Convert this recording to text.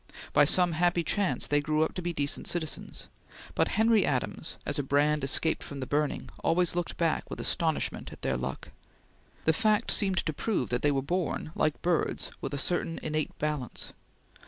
By some happy chance they grew up to be decent citizens, but Henry Adams, as a brand escaped from the burning, always looked back with astonishment at their luck. The fact seemed to prove that they were born, like birds, with a certain innate balance.